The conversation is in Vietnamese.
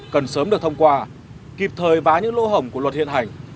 cần sớm được thông qua kịp thời vá những lỗ hổng của luật hiện hành